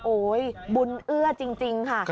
บุญเอื้อจริงค่ะ